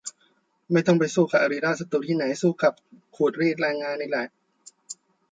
ไม่ต้องไปสู้กับอริราชศัตรูที่ไหน สู้กับพวกขูดรีดแรงงานนี่แหละ